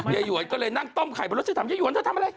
ยายหยวนก็เลยนั่งต้มไข่พะโล้เธอทำยายหยวนเธอทำอะไร